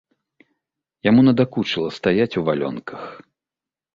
Яму надакучыла стаяць у валёнках.